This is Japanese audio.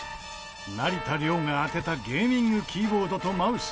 成田凌が当てたゲーミングキーボードとマウス。